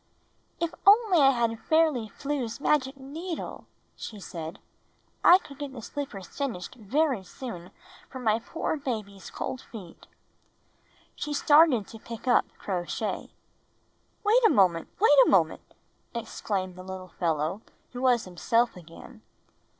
"If only I had Fairly Flew's magic needle!" she said, "I could get the slippers finished very soon for my poor baby's cold feet." She started to pick up Crow Shay. "Wait a moment! Wait a moment!" exclaimed the little fellow who was himself again.